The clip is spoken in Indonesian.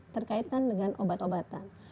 terkaitan dengan obat obatan